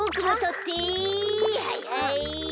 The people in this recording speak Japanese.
はいはい。